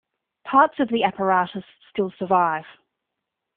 Parts of the apparatus still survive.